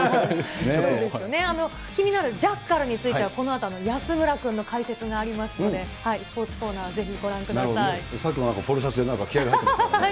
気になるジャッカルについては、このあと安村君の解説がありますので、スポーツコーナー、なるほどね、さっきもなんかポロシャツで気合いが入ってるね。